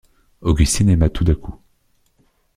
Augustine aima tout à coup.